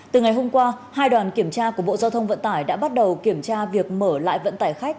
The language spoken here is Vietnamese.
từ ngày hôm qua hai đoàn kiểm tra của bộ giao thông vận tải đã bắt đầu kiểm tra việc mở lại vận tải khách